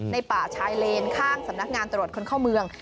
ป่าชายเลนข้างสำนักงานตรวจคนเข้าเมือง